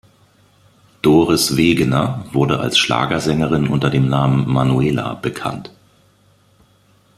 Doris Wegener wurde als Schlagersängerin unter dem Namen Manuela bekannt.